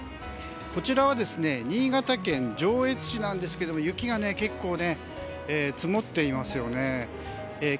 こちらは新潟県上越市ですが雪が結構、積もっていますよね。